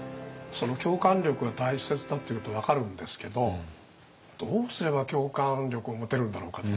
共感力が大切だっていうことは分かるんですけどどうすれば共感力を持てるんだろうかって。